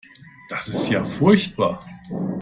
Das ist ja furchtbar.